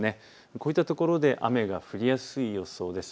こういったところで雨が降りやすい予想です。